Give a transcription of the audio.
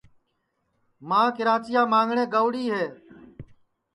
ماں کِراچِیا مانگٹؔیں گئوری ہے